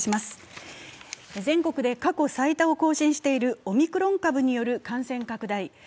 全国で過去最多を更新しているオミクロン株による感染拡大。